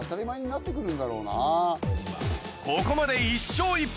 ここまで１勝１敗